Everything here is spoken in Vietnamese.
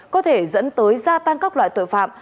có thể dẫn tới gia tăng các loại tội phạm